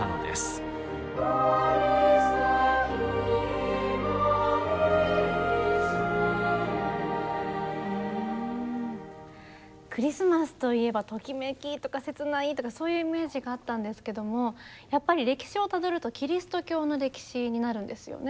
うんクリスマスといえばときめきとか切ないとかそういうイメージがあったんですけどもやっぱり歴史をたどるとキリスト教の歴史になるんですよね。